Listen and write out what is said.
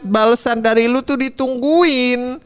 balesan dari lu tuh ditungguin